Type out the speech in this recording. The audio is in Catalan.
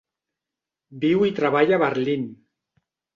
Viu i treballa a Berlín.